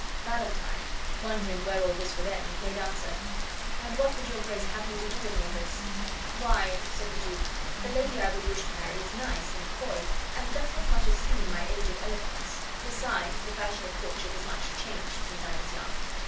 Valentine, wondering where all this would end, made answer, "And what would your grace have me to do in all this?" "Why," said the duke, "the lady I would wish to marry is nice and coy and does not much esteem my aged eloquence. Besides, the fashion of courtship is much changed since I was young.